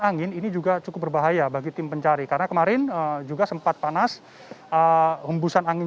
angin ini juga cukup berbahaya bagi tim pencari karena kemarin juga sempat panas hembusan angin